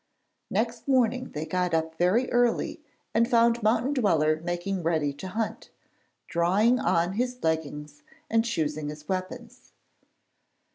Next morning they got up very early and found Mountain Dweller making ready to hunt, drawing on his leggings and choosing his weapons.